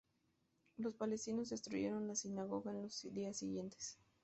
Los palestinos destruyeron la sinagoga en los días siguientes.